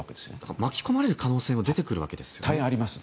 巻き込まれる可能性も出てくるわけですよね。